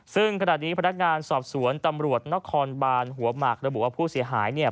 ซึ่งขณะนี้พนักงานสอบสวนตำรวจนครบานหัวหมากระบุว่าผู้เสียหาย